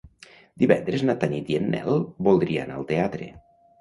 Divendres na Tanit i en Nel voldria anar al teatre.